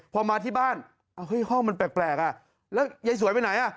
พอมาที่บ้านห้องมันแปลกอ่ะแล้วยายสวยไปไหนอ่ะ